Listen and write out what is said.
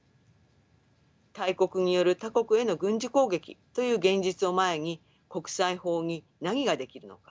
大国による他国への軍事攻撃という現実を前に国際法に何ができるのか。